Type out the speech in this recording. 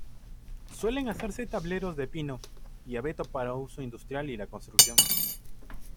Suelen hacerse tableros de pino y abeto para uso industrial y la construcción.